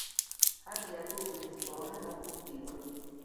Hajji yatulugunyizibwa wamu n'okubbibwa.